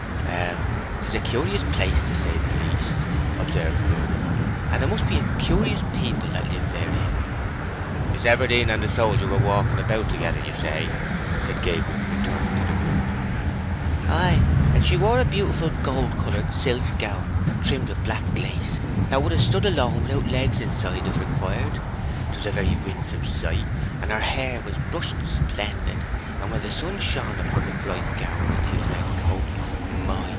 "Well, 'tis a curious place, to say the least," observed Moon; "and it must be a curious people that live therein." "Miss Everdene and the soldier were walking about together, you say?" said Gabriel, returning to the group. "Ay, and she wore a beautiful gold colour silk gown, trimmed with black lace, that would have stood alone 'ithout legs inside if required. 'Twas a very winsome sight; and her hair was brushed splendid. And when the sun shone upon the bright gown and his red coat—my!